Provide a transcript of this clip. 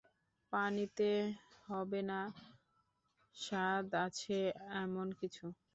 পানিতে হবে না, স্বাদ আছে এমন কিছু।